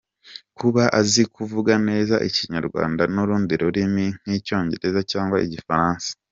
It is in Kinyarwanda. Kuba azi kuvuga neza ikinyarwanda n’urundi rurimi nk’Icyongereza cyangwa Igifaransa.